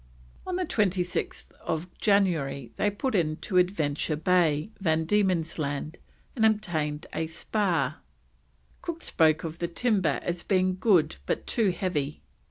On 26th January they put into Adventure Bay, Van Diemen's Land, and obtained a spar; Cook spoke of the timber as being good but too heavy.